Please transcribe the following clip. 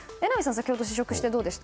先ほど試食してどうでした。